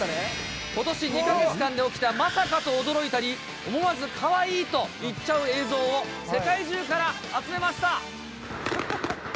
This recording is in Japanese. ことし２か月間に起きたまさかと驚いたり、思わずかわいいと言っちゃう映像を、世界中から集めました。